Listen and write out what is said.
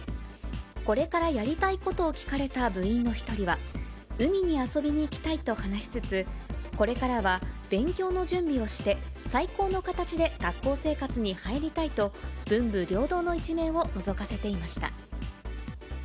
これからやりたいことを聞かれた部員の一人は、海に遊びに行きたいと話しつつ、これからは勉強の準備をして、最高の形で学校生活に入りたいと、文武両道の一面をのぞかせていました。